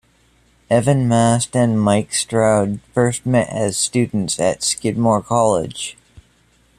Evan Mast and Mike Stroud first met as students at Skidmore College.